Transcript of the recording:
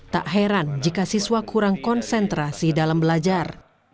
tak heran jika siswa kurang konsentrasi dalam belajar